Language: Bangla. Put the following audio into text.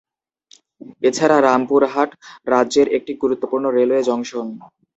এছাড়া রামপুরহাট রাজ্যের একটি গুরুত্বপূর্ণ রেলওয়ে জংশন।